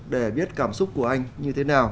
để biết cảm xúc của anh như thế nào